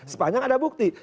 sepanjang ada bukti